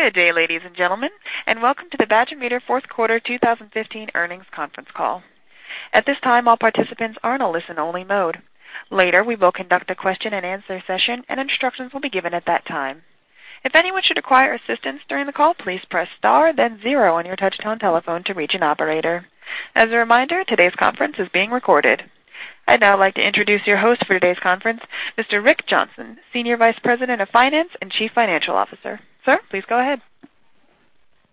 Good day, ladies and gentlemen, and welcome to the Badger Meter fourth quarter 2015 earnings conference call. At this time, all participants are in a listen-only mode. Later, we will conduct a question and answer session, and instructions will be given at that time. If anyone should require assistance during the call, please press star then zero on your touch-tone telephone to reach an operator. As a reminder, today's conference is being recorded. I'd now like to introduce your host for today's conference, Mr. Rick Johnson, Senior Vice President of Finance and Chief Financial Officer. Sir, please go ahead.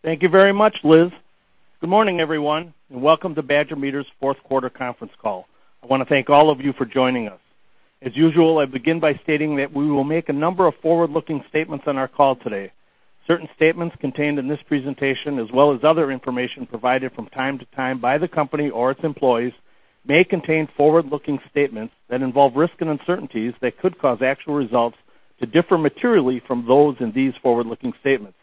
Thank you very much, Liz. Good morning, everyone, welcome to Badger Meter's fourth quarter conference call. I want to thank all of you for joining us. As usual, I begin by stating that we will make a number of forward-looking statements on our call today. Certain statements contained in this presentation as well as other information provided from time to time by the company or its employees may contain forward-looking statements that involve risks and uncertainties that could cause actual results to differ materially from those in these forward-looking statements.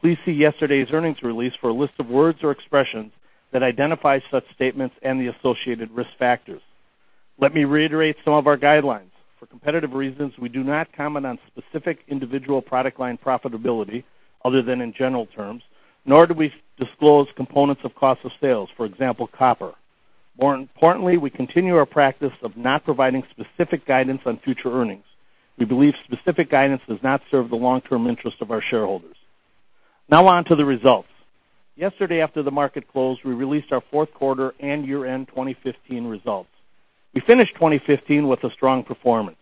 Please see yesterday's earnings release for a list of words or expressions that identify such statements and the associated risk factors. Let me reiterate some of our guidelines. For competitive reasons, we do not comment on specific individual product line profitability other than in general terms, nor do we disclose components of cost of sales, for example, copper. More importantly, we continue our practice of not providing specific guidance on future earnings. We believe specific guidance does not serve the long-term interest of our shareholders. On to the results. Yesterday, after the market closed, we released our fourth quarter and year-end 2015 results. We finished 2015 with a strong performance.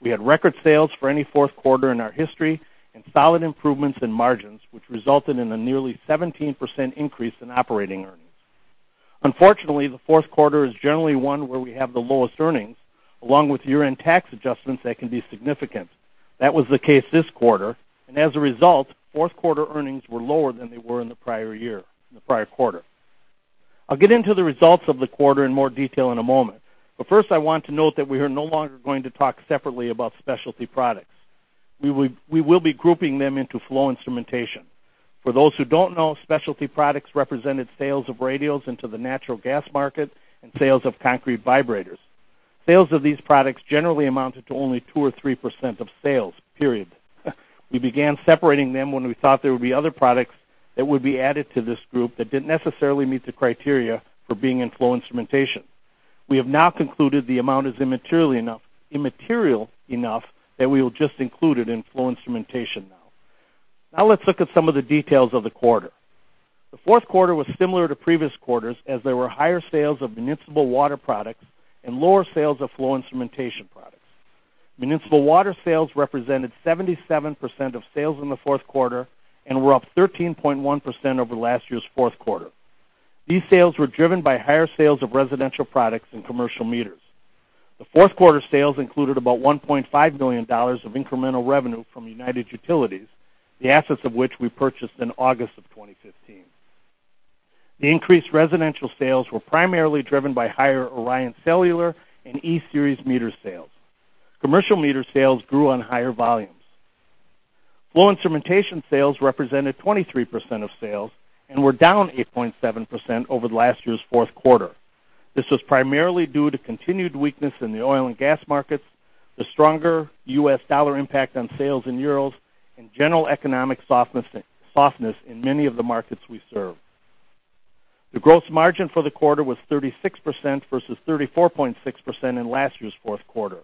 We had record sales for any fourth quarter in our history and solid improvements in margins, which resulted in a nearly 17% increase in operating earnings. Unfortunately, the fourth quarter is generally one where we have the lowest earnings, along with year-end tax adjustments that can be significant. That was the case this quarter, as a result, fourth quarter earnings were lower than they were in the prior quarter. I'll get into the results of the quarter in more detail in a moment, first, I want to note that we are no longer going to talk separately about specialty products. We will be grouping them into flow instrumentation. For those who don't know, specialty products represented sales of radios into the natural gas market and sales of concrete vibrators. Sales of these products generally amounted to only 2% or 3% of sales, period. We began separating them when we thought there would be other products that would be added to this group that didn't necessarily meet the criteria for being in flow instrumentation. We have now concluded the amount is immaterial enough that we will just include it in flow instrumentation now. Let's look at some of the details of the quarter. The fourth quarter was similar to previous quarters, as there were higher sales of municipal water products and lower sales of flow instrumentation products. Municipal water sales represented 77% of sales in the fourth quarter and were up 13.1% over last year's fourth quarter. These sales were driven by higher sales of residential products and commercial meters. The fourth quarter sales included about $1.5 million of incremental revenue from United Utilities, the assets of which we purchased in August of 2015. The increased residential sales were primarily driven by higher ORION Cellular and E-Series meter sales. Commercial meter sales grew on higher volumes. Flow instrumentation sales represented 23% of sales and were down 8.7% over last year's fourth quarter. This was primarily due to continued weakness in the oil and gas markets, the stronger U.S. dollar impact on sales in euros, and general economic softness in many of the markets we serve. The gross margin for the quarter was 36% versus 34.6% in last year's fourth quarter.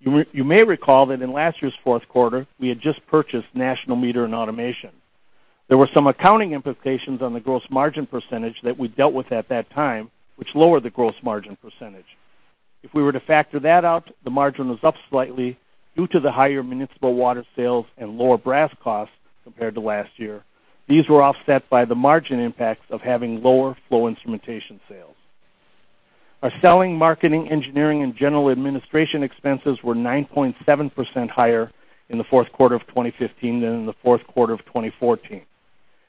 You may recall that in last year's fourth quarter, we had just purchased National Meter & Automation. There were some accounting implications on the gross margin percentage that we dealt with at that time, which lowered the gross margin percentage. If we were to factor that out, the margin was up slightly due to the higher municipal water sales and lower brass costs compared to last year. These were offset by the margin impacts of having lower flow instrumentation sales. Our selling, marketing, engineering, and general administration expenses were 9.7% higher in the fourth quarter of 2015 than in the fourth quarter of 2014.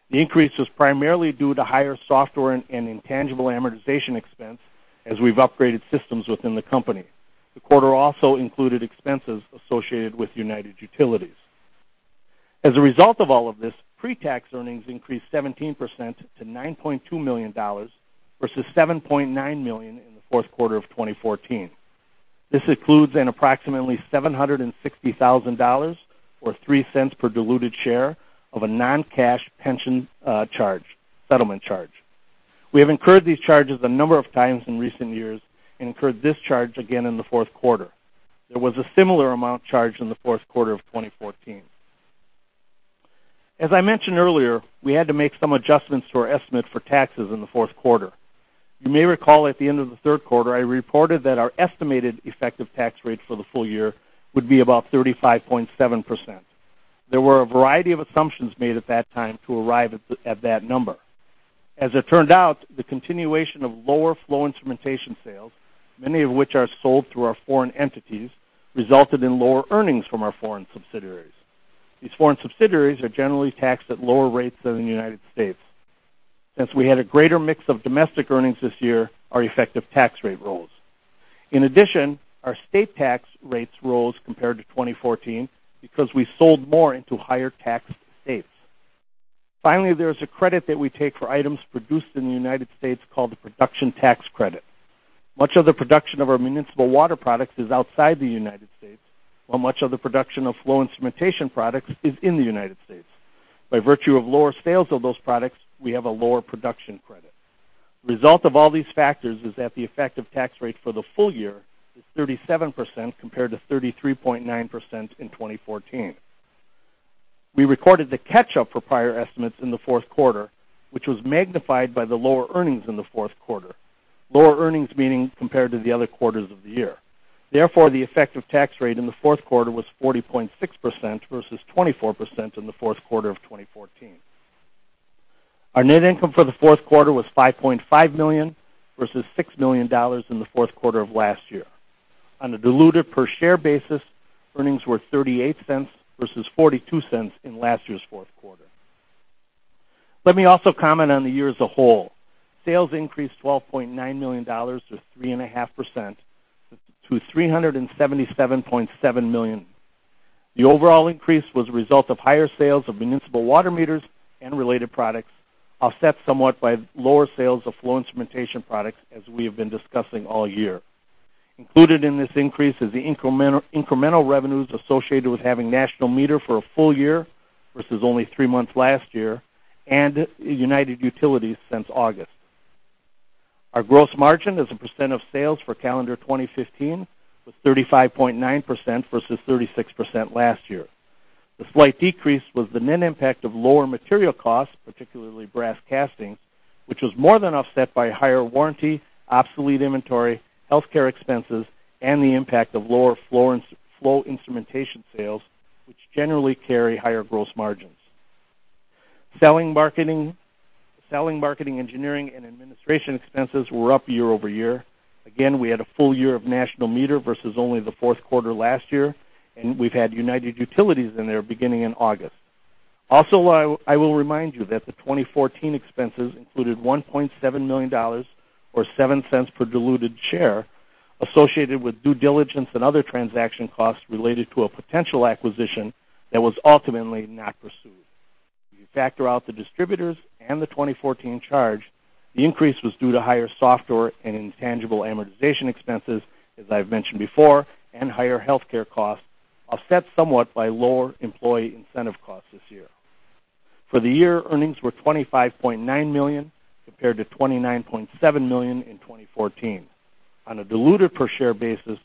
The increase was primarily due to higher software and intangible amortization expense as we've upgraded systems within the company. The quarter also included expenses associated with United Utilities. As a result of all of this, pre-tax earnings increased 17% to $9.2 million, versus $7.9 million in the fourth quarter of 2014. This includes an approximately $760,000 or $0.03 per diluted share of a non-cash pension settlement charge. We have incurred these charges a number of times in recent years and incurred this charge again in the fourth quarter. There was a similar amount charged in the fourth quarter of 2014. As I mentioned earlier, we had to make some adjustments to our estimate for taxes in the fourth quarter. You may recall at the end of the third quarter, I reported that our estimated effective tax rate for the full year would be about 35.7%. There were a variety of assumptions made at that time to arrive at that number. As it turned out, the continuation of lower flow instrumentation sales, many of which are sold through our foreign entities, resulted in lower earnings from our foreign subsidiaries. These foreign subsidiaries are generally taxed at lower rates than in the U.S. Since we had a greater mix of domestic earnings this year, our effective tax rate rose. In addition, our state tax rates rose compared to 2014 because we sold more into higher-tax states. Finally, there's a credit that we take for items produced in the U.S. called the production tax credit. Much of the production of our municipal water products is outside the U.S., while much of the production of flow instrumentation products is in the U.S. By virtue of lower sales of those products, we have a lower production credit. The result of all these factors is that the effective tax rate for the full year is 37%, compared to 33.9% in 2014. We recorded the catch-up for prior estimates in the fourth quarter, which was magnified by the lower earnings in the fourth quarter, lower earnings meaning compared to the other quarters of the year. Therefore, the effective tax rate in the fourth quarter was 40.6% versus 24% in the fourth quarter of 2014. Our net income for the fourth quarter was $5.5 million, versus $6 million in the fourth quarter of last year. On a diluted per share basis, earnings were $0.38 versus $0.42 in last year's fourth quarter. Let me also comment on the year as a whole. Sales increased $12.9 million, or 3.5%, to $377.7 million. The overall increase was a result of higher sales of municipal water meters and related products, offset somewhat by lower sales of flow instrumentation products, as we have been discussing all year. Included in this increase is the incremental revenues associated with having National Meter for a full year, versus only three months last year, and United Utilities since August. Our gross margin as a percent of sales for calendar 2015 was 35.9% versus 36% last year. The slight decrease was the net impact of lower material costs, particularly brass castings, which was more than offset by higher warranty, obsolete inventory, healthcare expenses, and the impact of lower flow instrumentation sales, which generally carry higher gross margins. Selling, marketing, engineering, and administration expenses were up year-over-year. Again, we had a full year of National Meter versus only the fourth quarter last year, and we've had United Utilities in there beginning in August. Also, I will remind you that the 2014 expenses included $1.7 million, or $0.07 per diluted share, associated with due diligence and other transaction costs related to a potential acquisition that was ultimately not pursued. If you factor out the distributors and the 2014 charge, the increase was due to higher software and intangible amortization expenses, as I've mentioned before, and higher healthcare costs, offset somewhat by lower employee incentive costs this year. For the year, earnings were $25.9 million, compared to $29.7 million in 2014. On a diluted per share basis,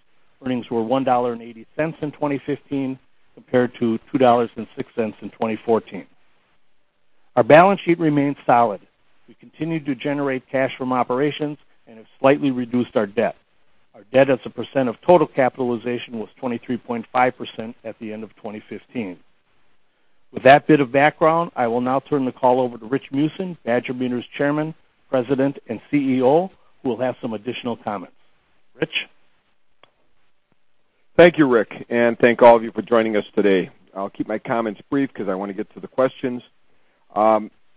earnings were $1.80 in 2015, compared to $2.06 in 2014. Our balance sheet remains solid. We continue to generate cash from operations and have slightly reduced our debt. Our debt as a percent of total capitalization was 23.5% at the end of 2015. With that bit of background, I will now turn the call over to Rich Meeusen, Badger Meter's Chairman, President, and CEO, who will have some additional comments. Rich? Thank you, Rick, and thank all of you for joining us today. I'll keep my comments brief because I want to get to the questions.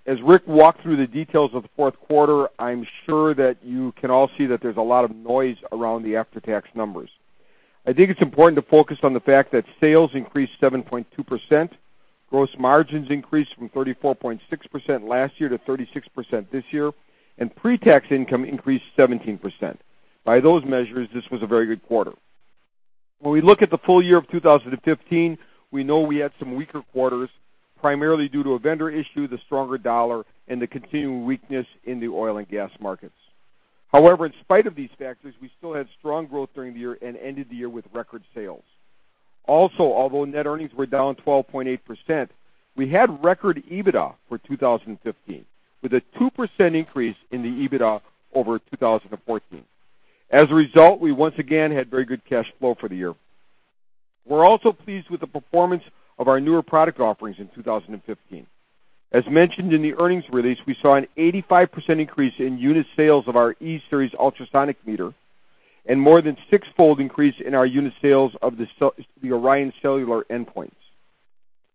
As Rick walked through the details of the fourth quarter, I'm sure that you can all see that there's a lot of noise around the after-tax numbers. I think it's important to focus on the fact that sales increased 7.2%, gross margins increased from 34.6% last year to 36% this year, and pre-tax income increased 17%. By those measures, this was a very good quarter. When we look at the full year of 2015, we know we had some weaker quarters, primarily due to a vendor issue, the stronger dollar, and the continuing weakness in the oil and gas markets. In spite of these factors, we still had strong growth during the year and ended the year with record sales. Although net earnings were down 12.8%, we had record EBITDA for 2015, with a 2% increase in the EBITDA over 2014. We once again had very good cash flow for the year. We're also pleased with the performance of our newer product offerings in 2015. As mentioned in the earnings release, we saw an 85% increase in unit sales of our E-Series ultrasonic meter, and more than six-fold increase in our unit sales of the ORION® Cellular endpoints.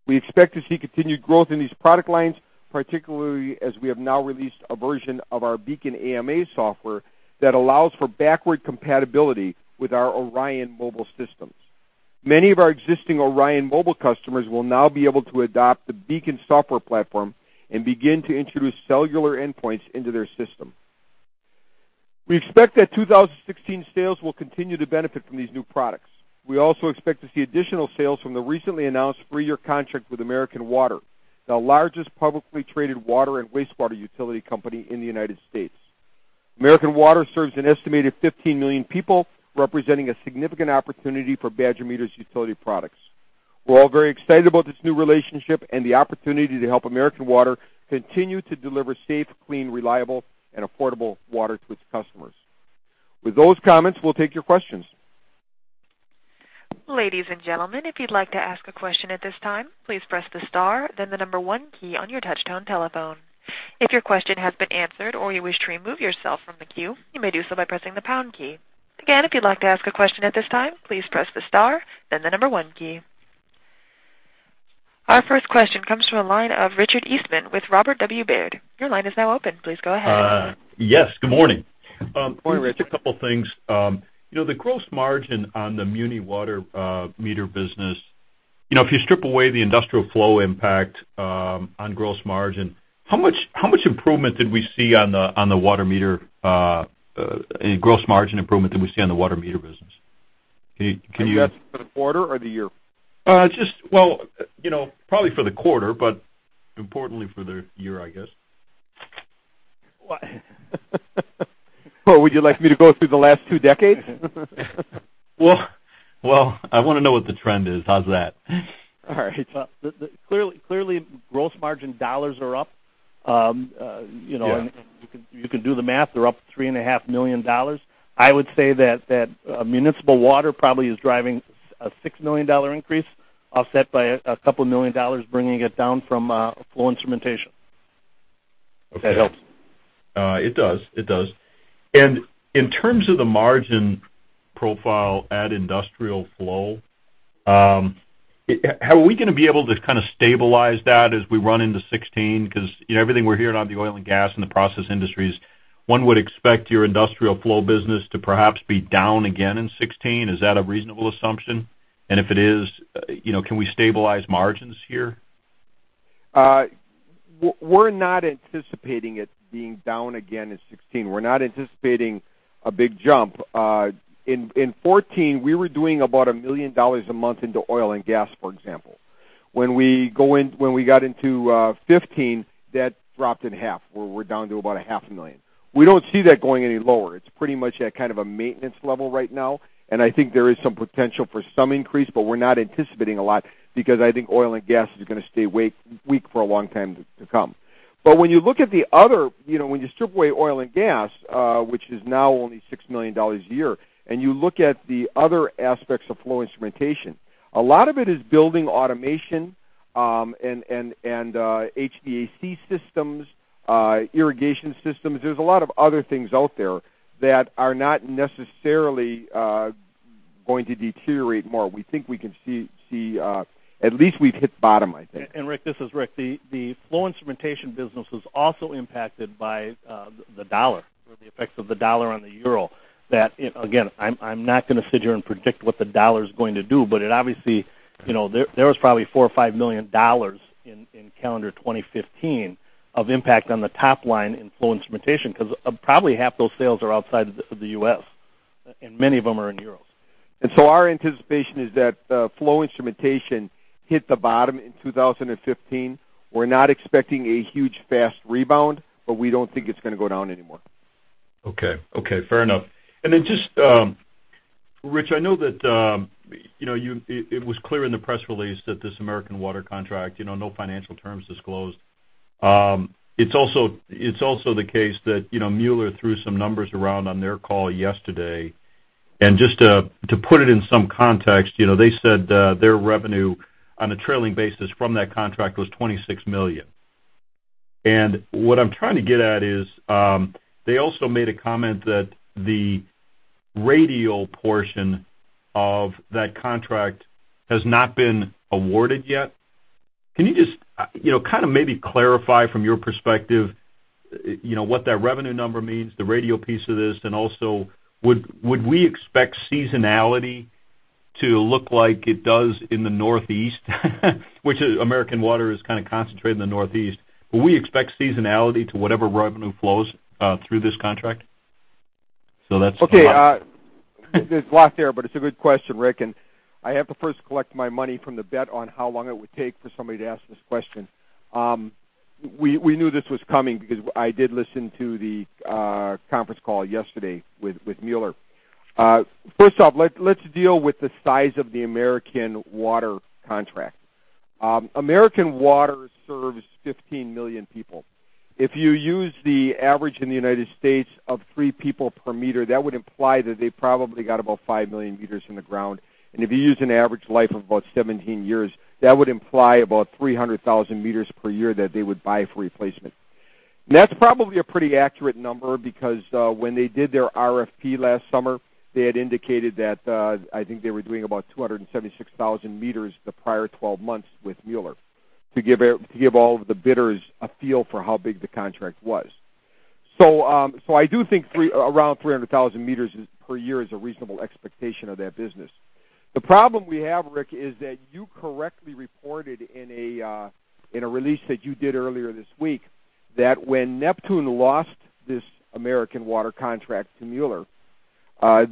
We expect to see continued growth in these product lines, particularly as we have now released a version of our BEACON® AMA software that allows for backward compatibility with our ORION® mobile systems. Many of our existing ORION® mobile customers will now be able to adopt the BEACON® software platform and begin to introduce cellular endpoints into their system. We expect that 2016 sales will continue to benefit from these new products. We also expect to see additional sales from the recently announced three-year contract with American Water, the largest publicly traded water and wastewater utility company in the U.S. American Water serves an estimated 15 million people, representing a significant opportunity for Badger Meter's utility products. We're all very excited about this new relationship and the opportunity to help American Water continue to deliver safe, clean, reliable, and affordable water to its customers. With those comments, we'll take your questions. Ladies and gentlemen, if you'd like to ask a question at this time, please press the star, then the number 1 key on your touchtone telephone. If your question has been answered or you wish to remove yourself from the queue, you may do so by pressing the pound key. Again, if you'd like to ask a question at this time, please press the star, then the number 1 key. Our first question comes from the line of Richard Eastman with Robert W. Baird. Your line is now open. Please go ahead. Yes, good morning. Morning, Richard. Just a couple of things. The gross margin on the muni water meter business. If you strip away the industrial flow impact on gross margin, how much improvement did we see on the water meter, gross margin improvement did we see on the water meter business? Can you- Are you asking for the quarter or the year? Well, probably for the quarter, but importantly for the year, I guess. Well, would you like me to go through the last two decades? Well, I want to know what the trend is. How's that? All right. Clearly, gross margin dollars are up. Yeah. You can do the math. They're up $3.5 million. I would say that municipal water probably is driving a $6 million increase, offset by a couple of million dollars, bringing it down from flow instrumentation. If that helps. It does. In terms of the margin profile at industrial flow, how are we going to be able to stabilize that as we run into 2016? Because everything we're hearing on the oil and gas and the process industries, one would expect your industrial flow business to perhaps be down again in 2016. Is that a reasonable assumption? If it is, can we stabilize margins here? We're not anticipating it being down again in 2016. We're not anticipating a big jump. In 2014, we were doing about a million dollars a month into oil and gas, for example. When we got into 2015, that dropped in half, where we're down to about a half a million. We don't see that going any lower. It's pretty much at kind of a maintenance level right now, and I think there is some potential for some increase, but we're not anticipating a lot because I think oil and gas is going to stay weak for a long time to come. When you strip away oil and gas, which is now only $6 million a year, and you look at the other aspects of flow instrumentation, a lot of it is building automation and HVAC systems, irrigation systems. There's a lot of other things out there that are not necessarily going to deteriorate more. We think we can see at least we've hit bottom, I think. Rick, this is Rick. The flow instrumentation business was also impacted by the dollar, or the effects of the dollar on the EUR. Again, I am not going to sit here and predict what the dollar is going to do, but it obviously, there was probably $4 million or $5 million in calendar 2015 of impact on the top line in flow instrumentation, because probably half those sales are outside of the U.S., and many of them are in euros. Our anticipation is that flow instrumentation hit the bottom in 2015. We are not expecting a huge, fast rebound, but we do not think it is going to go down anymore. Okay. Fair enough. Then, Rich, I know that it was clear in the press release that this American Water contract, no financial terms disclosed. It is also the case that Mueller threw some numbers around on their call yesterday. Just to put it in some context, they said their revenue on a trailing basis from that contract was $26 million. What I am trying to get at is, they also made a comment that the radio portion of that contract has not been awarded yet. Can you just maybe clarify from your perspective what that revenue number means, the radio piece of this, and also would we expect seasonality to look like it does in the Northeast? Which is, American Water is kind of concentrated in the Northeast. Will we expect seasonality to whatever revenue flows through this contract? That is. Okay. It is lost there, but it is a good question, Rick, and I have to first collect my money from the bet on how long it would take for somebody to ask this question. We knew this was coming because I did listen to the conference call yesterday with Mueller. First off, let us deal with the size of the American Water contract. American Water serves 15 million people. If you use the average in the U.S. of three people per meter, that would imply that they probably got about five million meters in the ground. If you use an average life of about 17 years, that would imply about 300,000 meters per year that they would buy for replacement. That's probably a pretty accurate number because when they did their RFP last summer, they had indicated that, I think they were doing about 276,000 meters the prior 12 months with Mueller, to give all of the bidders a feel for how big the contract was. I do think around 300,000 meters per year is a reasonable expectation of that business. The problem we have, Rick, is that you correctly reported in a release that you did earlier this week, that when Neptune lost this American Water contract to Mueller,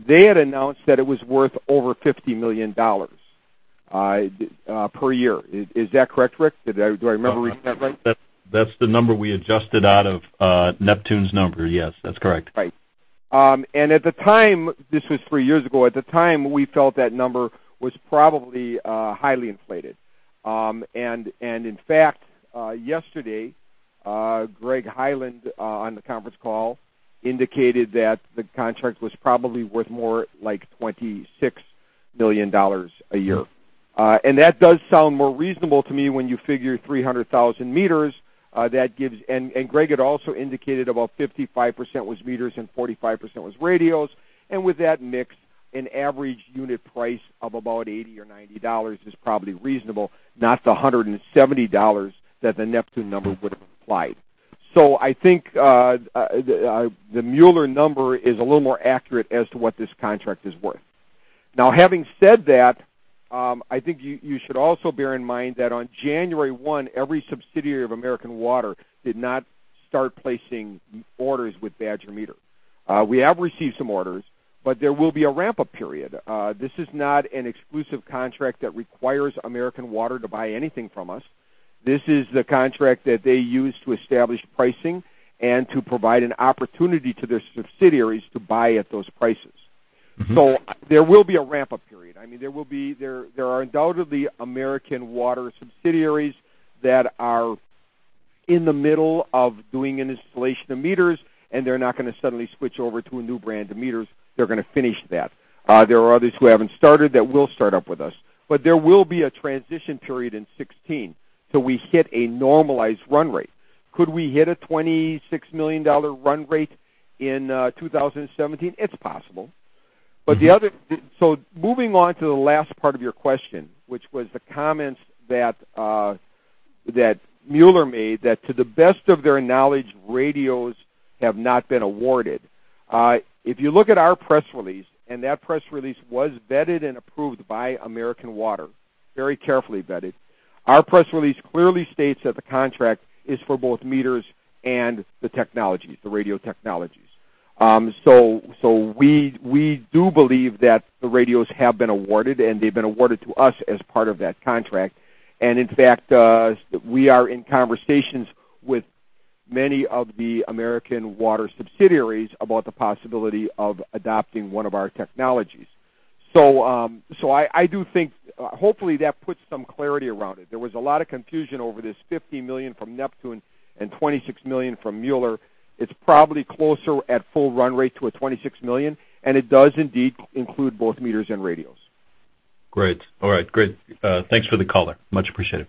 they had announced that it was worth over $50 million per year. Is that correct, Rick? Do I remember reading that right? That's the number we adjusted out of Neptune's number. Yes, that's correct. Right. At the time, this was three years ago. At the time, we felt that number was probably highly inflated. In fact, yesterday, Greg Hyland, on the conference call, indicated that the contract was probably worth more like $26 million a year. That does sound more reasonable to me when you figure 300,000 meters, that gives. Greg had also indicated about 55% was meters and 45% was radios. With that mix, an average unit price of about $80 or $90 is probably reasonable, not the $170 that the Neptune number would have implied. I think the Mueller number is a little more accurate as to what this contract is worth. Now, having said that, I think you should also bear in mind that on January 1, every subsidiary of American Water did not start placing orders with Badger Meter. We have received some orders. There will be a ramp-up period. This is not an exclusive contract that requires American Water to buy anything from us. This is the contract that they use to establish pricing and to provide an opportunity to their subsidiaries to buy at those prices. There will be a ramp-up period. There are undoubtedly American Water subsidiaries that are in the middle of doing an installation of meters, and they're not going to suddenly switch over to a new brand of meters. They're going to finish that. There are others who haven't started that will start up with us, but there will be a transition period in 2016 till we hit a normalized run rate. Could we hit a $26 million run rate in 2017? It's possible. Moving on to the last part of your question, which was the comments that Mueller made, that to the best of their knowledge, radios have not been awarded. If you look at our press release, and that press release was vetted and approved by American Water, very carefully vetted. Our press release clearly states that the contract is for both meters and the technologies, the radio technologies. We do believe that the radios have been awarded, and they've been awarded to us as part of that contract. In fact, we are in conversations with many of the American Water subsidiaries about the possibility of adopting one of our technologies. I do think hopefully that puts some clarity around it. There was a lot of confusion over this $50 million from Neptune and $26 million from Mueller. It's probably closer at full run rate to a $26 million, and it does indeed include both meters and radios. Great. All right. Great. Thanks for the color. Much appreciated.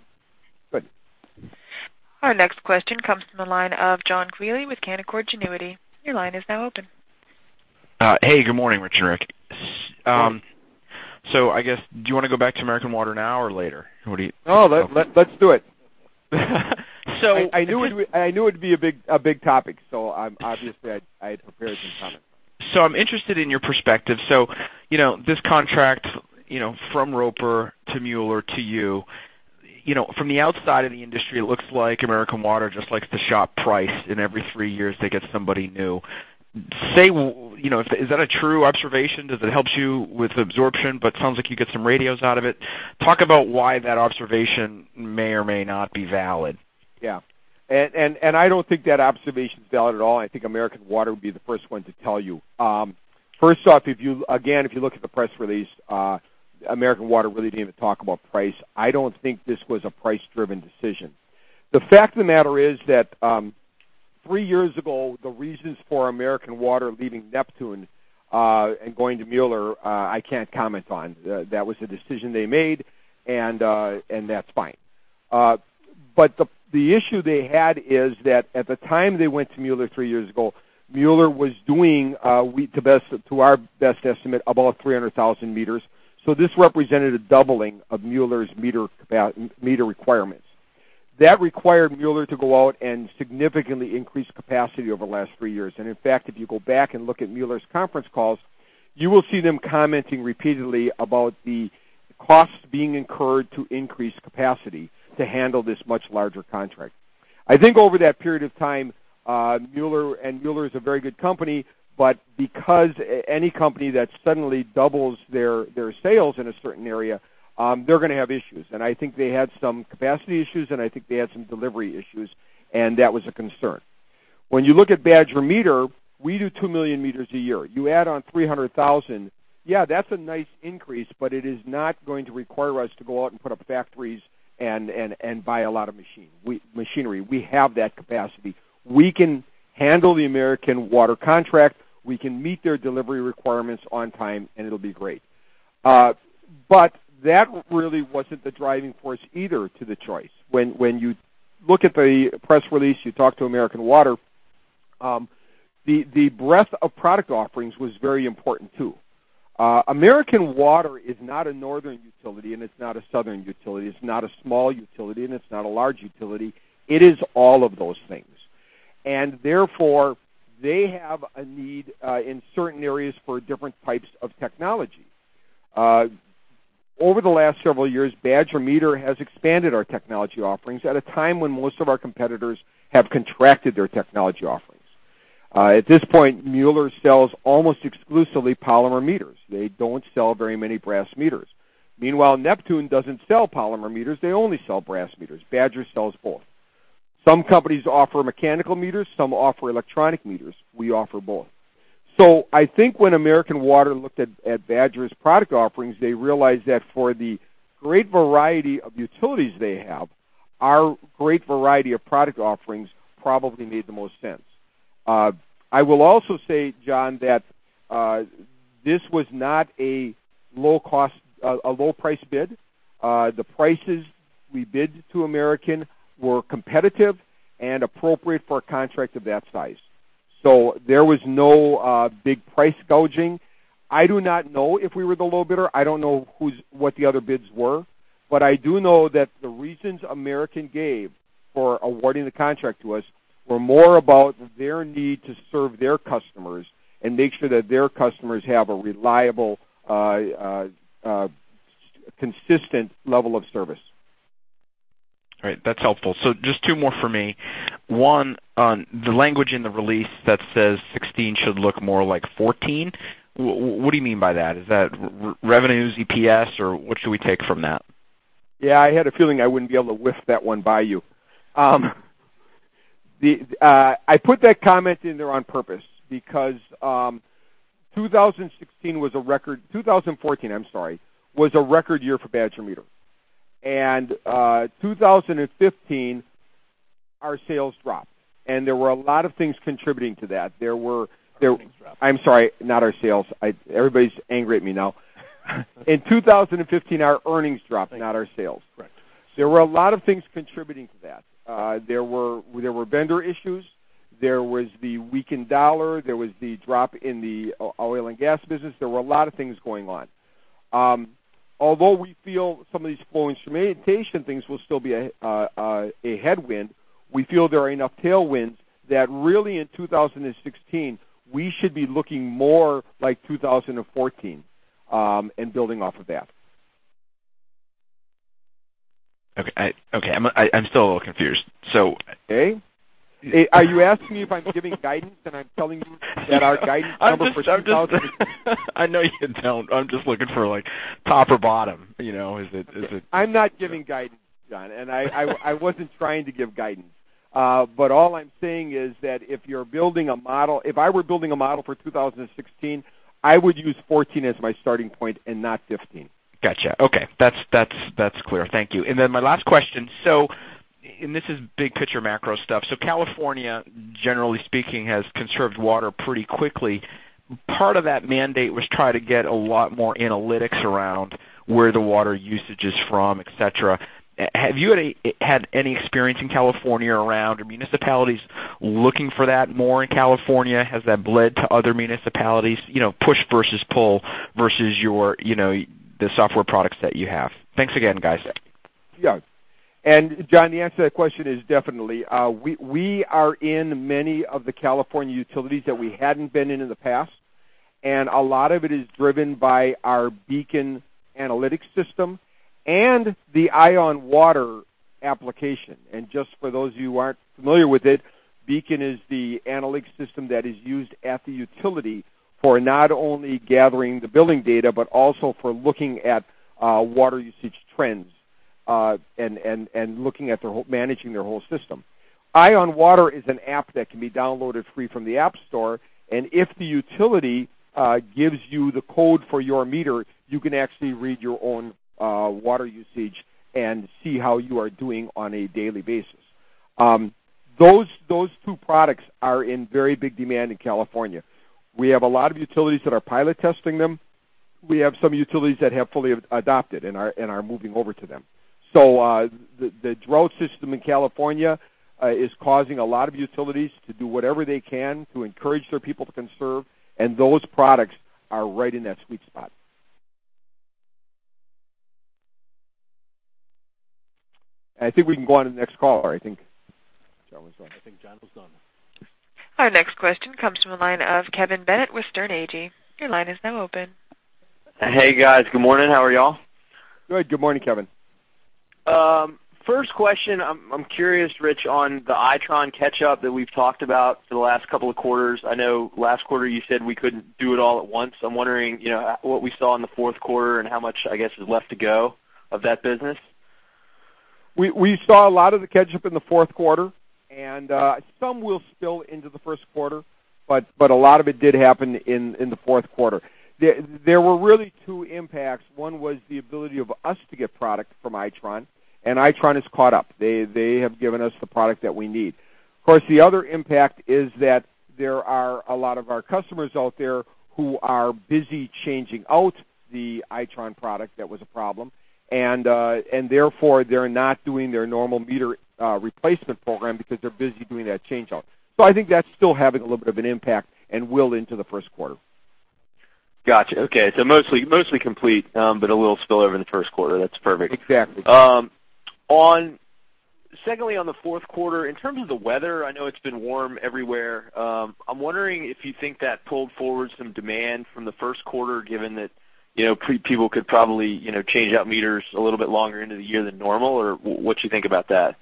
Good. Our next question comes from the line of John Quealy with Canaccord Genuity. Your line is now open. Hey, good morning, Rich. Good morning. I guess, do you want to go back to American Water now or later? No, let's do it. So- I knew it would be a big topic. Obviously I had prepared some comments. I'm interested in your perspective. This contract from Roper to Mueller to you. From the outside of the industry, it looks like American Water just likes to shop price, and every three years, they get somebody new. Is that a true observation? Does it help you with absorption, sounds like you get some radios out of it? Talk about why that observation may or may not be valid. I don't think that observation's valid at all. I think American Water would be the first one to tell you. First off, again, if you look at the press release, American Water really didn't even talk about price. I don't think this was a price-driven decision. The fact of the matter is that, three years ago, the reasons for American Water leaving Neptune, going to Mueller, I can't comment on. That was a decision they made, and that's fine. The issue they had is that at the time they went to Mueller three years ago, Mueller was doing, to our best estimate, about 300,000 meters. This represented a doubling of Mueller's meter requirements. That required Mueller to go out and significantly increase capacity over the last three years. In fact, if you go back and look at Mueller's conference calls, you will see them commenting repeatedly about the costs being incurred to increase capacity to handle this much larger contract. I think over that period of time, Mueller is a very good company, but because any company that suddenly doubles their sales in a certain area, they're going to have issues. I think they had some capacity issues, and I think they had some delivery issues, and that was a concern. When you look at Badger Meter, we do 2 million meters a year. You add on 300,000, yeah, that's a nice increase, but it is not going to require us to go out and put up factories and buy a lot of machinery. We have that capacity. We can handle the American Water contract. We can meet their delivery requirements on time, and it'll be great. That really wasn't the driving force either to the choice. When you look at the press release, you talk to American Water, the breadth of product offerings was very important, too. American Water is not a Northern utility, and it's not a Southern utility. It's not a small utility, and it's not a large utility. It is all of those things. Therefore, they have a need in certain areas for different types of technology. Over the last several years, Badger Meter has expanded our technology offerings at a time when most of our competitors have contracted their technology offerings. At this point, Mueller sells almost exclusively polymer meters. They don't sell very many brass meters. Meanwhile, Neptune doesn't sell polymer meters. They only sell brass meters. Badger sells both. Some companies offer mechanical meters. Some offer electronic meters. We offer both. I think when American Water looked at Badger's product offerings, they realized that for the great variety of utilities they have, our great variety of product offerings probably made the most sense. I will also say, John, that this was not a low-price bid. The prices we bid to American were competitive and appropriate for a contract of that size. There was no big price gouging. I do not know if we were the low bidder. I don't know what the other bids were. I do know that the reasons American gave for awarding the contract to us were more about their need to serve their customers and make sure that their customers have a reliable, consistent level of service. All right. That's helpful. Just two more for me. One, on the language in the release that says 2016 should look more like 2014, what do you mean by that? Is that revenue, EPS, or what should we take from that? Yeah, I had a feeling I wouldn't be able to whiff that one by you. I put that comment in there on purpose because 2014, I'm sorry, was a record year for Badger Meter. 2015, our sales dropped, and there were a lot of things contributing to that. There were. Earnings dropped. I'm sorry, not our sales. Everybody's angry at me now. In 2015, our earnings dropped. Thank you not our sales. Correct. There were a lot of things contributing to that. There were vendor issues. There was the weakened U.S. dollar. There was the drop in the oil and gas business. There were a lot of things going on. Although we feel some of these flow instrumentation things will still be a headwind, we feel there are enough tailwinds that really in 2016, we should be looking more like 2014, and building off of that. Okay. I'm still a little confused. Okay. Are you asking me if I'm giving guidance, and I'm telling you that our guidance number for 2016. I know you can tell. I'm just looking for top or bottom. I'm not giving guidance, John. I wasn't trying to give guidance. All I'm saying is that if you're building a model, if I were building a model for 2016, I would use 2014 as my starting point and not 2015. Got you. Okay. That's clear. Thank you. Then my last question, this is big picture macro stuff. California, generally speaking, has conserved water pretty quickly. Part of that mandate was try to get a lot more analytics around where the water usage is from, et cetera. Have you had any experience in California around municipalities looking for that more in California? Has that bled to other municipalities, push versus pull versus the software products that you have? Thanks again, guys. Yeah. John, the answer to that question is definitely. We are in many of the California utilities that we hadn't been in in the past, a lot of it is driven by our BEACON® analytics system and the EyeOnWater® application. Just for those of you who aren't familiar with it, BEACON® is the analytics system that is used at the utility for not only gathering the billing data, but also for looking at water usage trends, managing their whole system. EyeOnWater® is an app that can be downloaded free from the App Store, if the utility gives you the code for your meter, you can actually read your own water usage and see how you are doing on a daily basis. Those two products are in very big demand in California. We have a lot of utilities that are pilot testing them. We have some utilities that have fully adopted and are moving over to them. The drought system in California is causing a lot of utilities to do whatever they can to encourage their people to conserve, and those products are right in that sweet spot. I think we can go on to the next caller. I think John was done. I think John was done. Our next question comes from the line of Kevin Bennett with Sterne Agee. Your line is now open. Hey, guys. Good morning. How are y'all? Good morning, Kevin. First question, I'm curious, Rich, on the Itron catch-up that we've talked about for the last couple of quarters. I know last quarter you said we couldn't do it all at once. I'm wondering what we saw in the fourth quarter and how much, I guess, is left to go of that business? We saw a lot of the catch-up in the fourth quarter, and some will spill into the first quarter, but a lot of it did happen in the fourth quarter. There were really two impacts. One was the ability of us to get product from Itron, and Itron has caught up. They have given us the product that we need. Of course, the other impact is that there are a lot of our customers out there who are busy changing out the Itron product that was a problem, and therefore they're not doing their normal meter replacement program because they're busy doing that change-out. I think that's still having a little bit of an impact and will into the first quarter. Got you. Okay. It's mostly complete, but a little spill over in the first quarter. That's perfect. Exactly. Secondly, on the fourth quarter, in terms of the weather, I know it's been warm everywhere. I'm wondering if you think that pulled forward some demand from the first quarter, given that people could probably change out meters a little bit longer into the year than normal, or what you think about that?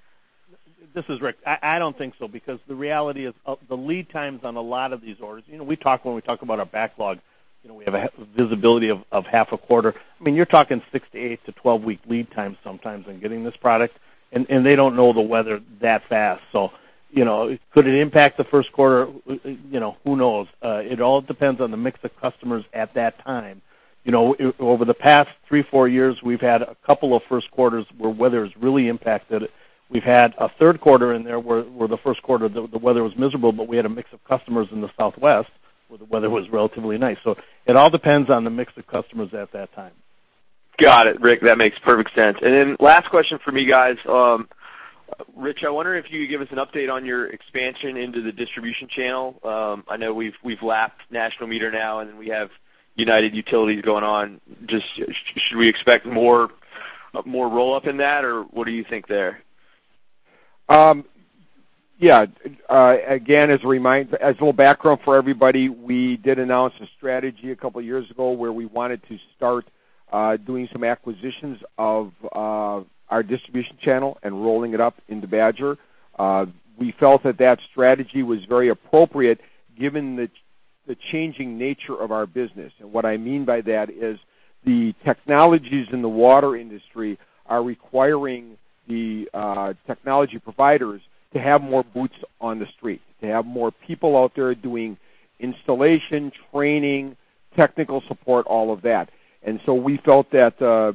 This is Rick. I don't think so because the reality is, the lead times on a lot of these orders, when we talk about our backlog, we have a visibility of half a quarter. You're talking six to eight to 12-week lead times sometimes in getting this product. They don't know the weather that fast. Could it impact the first quarter? Who knows? It all depends on the mix of customers at that time. Over the past three, four years, we've had a couple of first quarters where weather has really impacted it. We've had a third quarter in there where the first quarter, the weather was miserable, but we had a mix of customers in the Southwest where the weather was relatively nice. It all depends on the mix of customers at that time. Got it, Rick. That makes perfect sense. Last question for me, guys. Rich, I wonder if you could give us an update on your expansion into the distribution channel. I know we've lapped National Meter now then we have United Utilities going on. Should we expect more roll-up in that, or what do you think there? Again, as a little background for everybody, we did announce a strategy a couple of years ago where we wanted to start doing some acquisitions of our distribution channel and rolling it up into Badger. We felt that that strategy was very appropriate given the changing nature of our business. What I mean by that is the technologies in the water industry are requiring the technology providers to have more boots on the street, to have more people out there doing installation, training, technical support, all of that. We felt that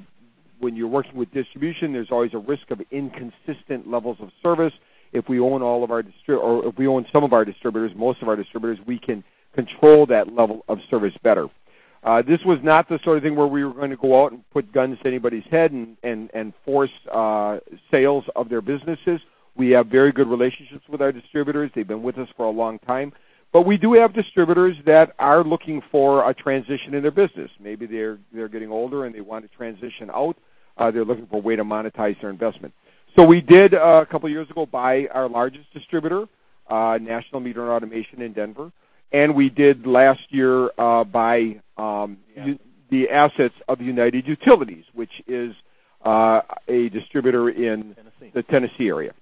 when you're working with distribution, there's always a risk of inconsistent levels of service. If we own some of our distributors, most of our distributors, we can control that level of service better. This was not the sort of thing where we were going to go out and put guns to anybody's head and force sales of their businesses. We have very good relationships with our distributors. They have been with us for a long time. We do have distributors that are looking for a transition in their business. Maybe they are getting older and they want to transition out. They are looking for a way to monetize their investment. We did, a couple of years ago, buy our largest distributor, National Meter and Automation in Denver, and we did last year buy the assets of United Utilities, which is a distributor in the Tennessee area.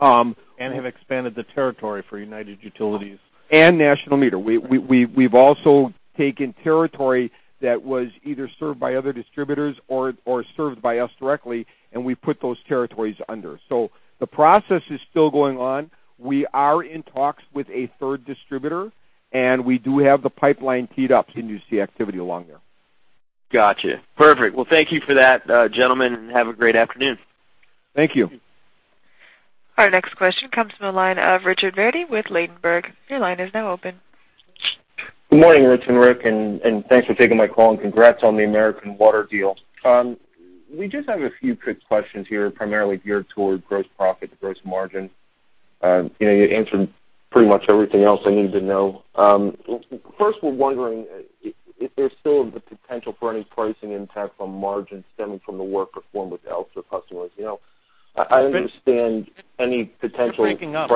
Have expanded the territory for United Utilities. National Meter. We have also taken territory that was either served by other distributors or served by us directly, and we put those territories under. The process is still going on. We are in talks with a third distributor, and we do have the pipeline teed up. You will see activity along there. Got you. Perfect. Thank you for that, gentlemen, and have a great afternoon. Thank you. Our next question comes from the line of Richard Verdi with Ladenburg. Your line is now open. Good morning, Rich and Rick, and thanks for taking my call, and congrats on the American Water deal. We just have a few quick questions here, primarily geared toward gross profit to gross margin. You answered pretty much everything else I needed to know. First, we're wondering if there's still the potential for any pricing impact on margins stemming from the work performed with Elster customers. You're breaking up.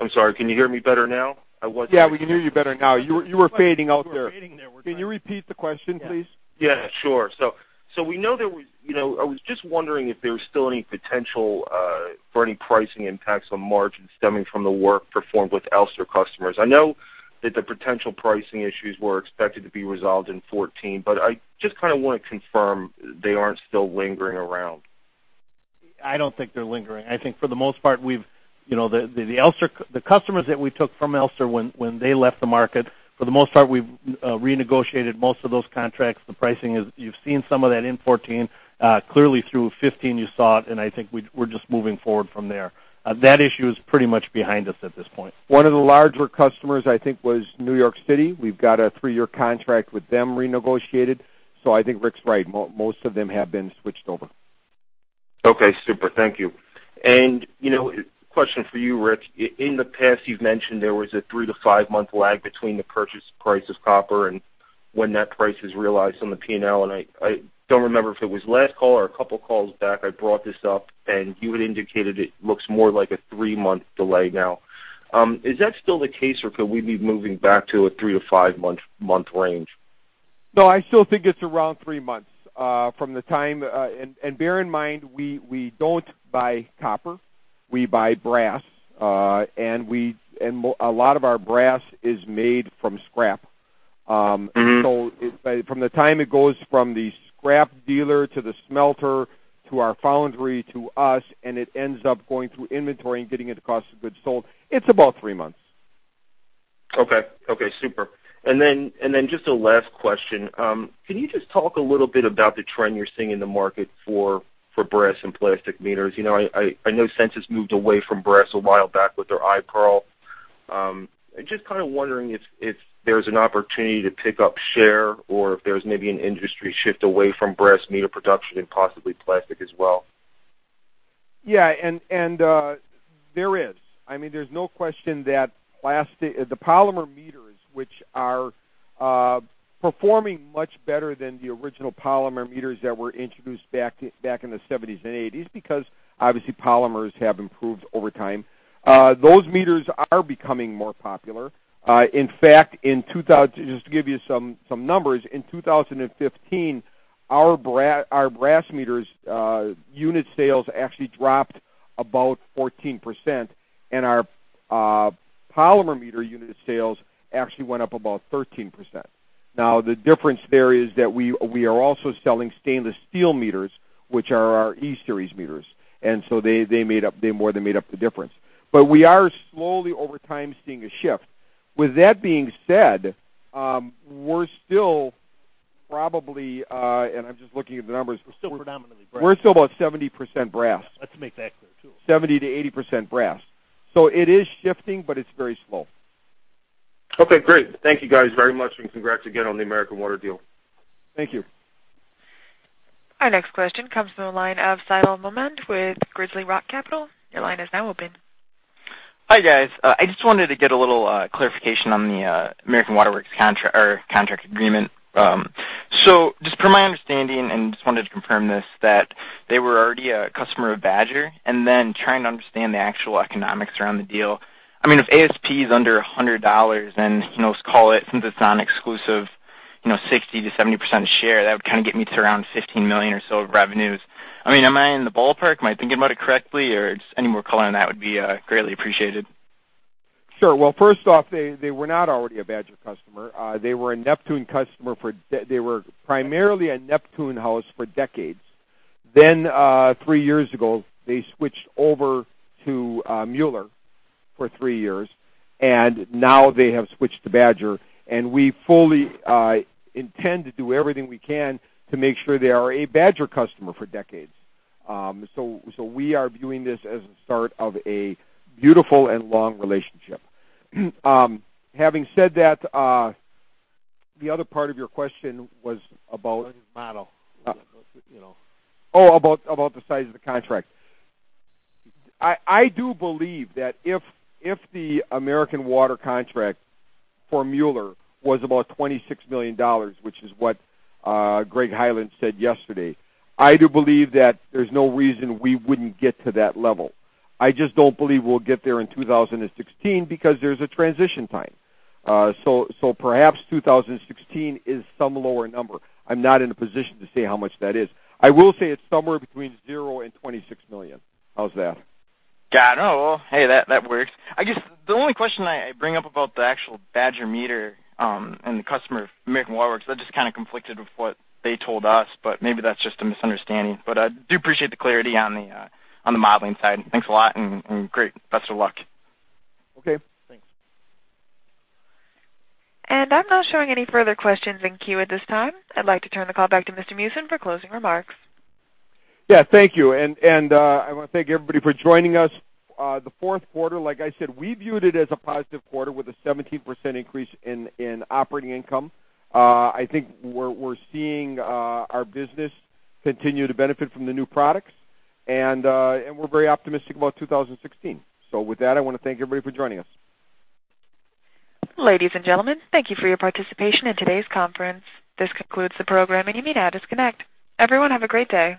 I'm sorry. Can you hear me better now? Yeah, we can hear you better now. You were fading out there. You were fading there. Can you repeat the question, please? Yeah, sure. I was just wondering if there was still any potential for any pricing impacts on margins stemming from the work performed with Elster customers. I know that the potential pricing issues were expected to be resolved in 2014, I just kind of want to confirm they aren't still lingering around. I don't think they're lingering. I think for the most part, the customers that we took from Elster when they left the market, for the most part, we've renegotiated most of those contracts. The pricing is, you've seen some of that in 2014. Clearly through 2015, you saw it, I think we're just moving forward from there. That issue is pretty much behind us at this point. One of the larger customers, I think, was New York City. We've got a three-year contract with them renegotiated. I think Rick's right. Most of them have been switched over. Okay, super. Thank you. A question for you, Rick. In the past, you've mentioned there was a three to five-month lag between the purchase price of copper and when that price is realized on the P&L. I don't remember if it was last call or a couple of calls back, I brought this up, and you had indicated it looks more like a three-month delay now. Is that still the case, or could we be moving back to a three to five-month range? No, I still think it's around three months. Bear in mind, we don't buy copper. We buy brass. A lot of our brass is made from scrap. From the time it goes from the scrap dealer to the smelter to our foundry to us, it ends up going through inventory and getting into cost of goods sold, it's about three months. Okay. Super. Just a last question. Can you just talk a little bit about the trend you're seeing in the market for brass and plastic meters? I know Sensus moved away from brass a while back with their iPERL. I'm just kind of wondering if there's an opportunity to pick up share or if there's maybe an industry shift away from brass meter production and possibly plastic as well. Yeah. There is. There's no question that the polymer meters, which are performing much better than the original polymer meters that were introduced back in the '70s and '80s, because obviously polymers have improved over time. Those meters are becoming more popular. In fact, just to give you some numbers, in 2015, our brass meters unit sales actually dropped about 14%, and our polymer meter unit sales actually went up about 13%. The difference there is that we are also selling E-Series Ultrasonic meters, which are our E-Series meters. They more than made up the difference. We are slowly, over time, seeing a shift. With that being said, we're still probably, and I'm just looking at the numbers. We're still predominantly brass. We're still about 70% brass. Let's make that clear, too. 70%-80% brass. It is shifting, but it's very slow. Great. Thank you guys very much, congrats again on the American Water deal. Thank you. Our next question comes from the line of Saleel Awsare with GrizzlyRock Capital. Your line is now open. Hi, guys. I just wanted to get a little clarification on the American Water Works contract agreement. Just per my understanding, wanted to confirm this, that they were already a customer of Badger, trying to understand the actual economics around the deal. If ASP is under $100 and, let's call it, since it's non-exclusive, 60%-70% share, that would get me to around $15 million or so of revenues. Am I in the ballpark? Am I thinking about it correctly? Just any more color on that would be greatly appreciated. Sure. Well, first off, they were not already a Badger customer. They were a Neptune customer. They were primarily a Neptune house for decades. Then, three years ago, they switched over to Mueller for three years, and now they have switched to Badger, and we fully intend to do everything we can to make sure they are a Badger customer for decades. We are viewing this as the start of a beautiful and long relationship. Having said that, the other part of your question was about. Model. About the size of the contract. I do believe that if the American Water contract for Mueller was about $26 million, which is what Greg Hyland said yesterday, I do believe that there's no reason we wouldn't get to that level. I just don't believe we'll get there in 2016 because there's a transition time. Perhaps 2016 is some lower number. I'm not in a position to say how much that is. I will say it's somewhere between zero and $26 million. How's that? Got it. Well, that works. I guess the only question I bring up about the actual Badger Meter, and the customer, American Water Works, that just conflicted with what they told us, but maybe that's just a misunderstanding. I do appreciate the clarity on the modeling side. Thanks a lot and great. Best of luck. Okay, thanks. I'm not showing any further questions in queue at this time. I'd like to turn the call back to Mr. Meeusen for closing remarks. Thank you. I want to thank everybody for joining us. The fourth quarter, like I said, we viewed it as a positive quarter with a 17% increase in operating income. I think we're seeing our business continue to benefit from the new products, and we're very optimistic about 2016. With that, I want to thank everybody for joining us. Ladies and gentlemen, thank you for your participation in today's conference. This concludes the program, and you may now disconnect. Everyone, have a great day.